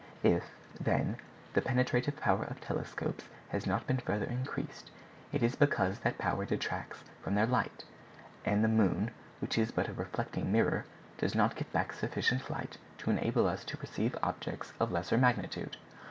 "If, then, the penetrative power of telescopes has not been further increased, it is because that power detracts from their light; and the moon, which is but a reflecting mirror, does not give back sufficient light to enable us to perceive objects of lesser magnitude."